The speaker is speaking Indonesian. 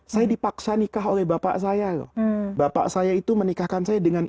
saya dipaksa nikah oleh bapak saya loh bapak saya itu menikahkan saya dengan